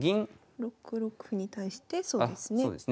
６六歩に対してそうですね。